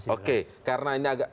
oke karena ini agak